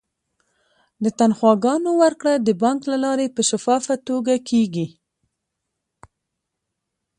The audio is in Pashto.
د تنخواګانو ورکړه د بانک له لارې په شفافه توګه کیږي.